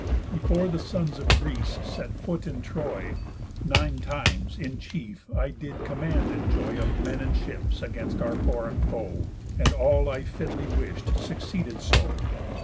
Before the sons of Greece set foot in Troy, Nine times, in chief, I did command enjoy Of men and ships against our foreign foe, And all I fitly wish'd succeeded so.